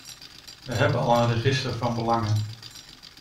We hebben al een register van belangen.